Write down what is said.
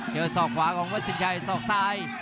ศอกขวาของวัดสินชัยศอกซ้าย